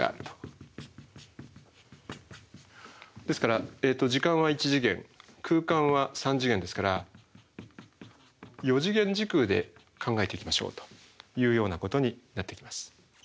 ですから時間は１次元空間は３次元ですから４次元時空で考えていきましょうというようなことになってきます。